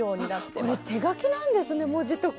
これ手書きなんですね文字とか。